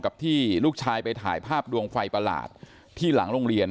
กับที่ลูกชายไปถ่ายภาพดวงไฟประหลาดที่หลังโรงเรียน